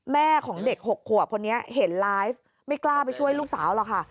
แม่ของเด็ก๖ขวบคนนี้เห็นไลฟ์ไม่กล้าไปช่วยลูกสาวหรอกค่ะ